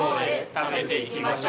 食べて行きましょ」